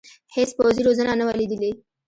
هېڅ پوځي روزنه نه وه لیدلې.